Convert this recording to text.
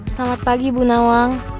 selamat pagi bu nawang